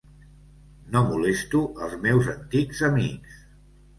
No molesto els meus antics amics.